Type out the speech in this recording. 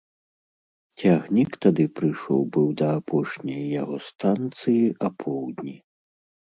Цягнік тады прыйшоў быў да апошняй яго станцыі апоўдні.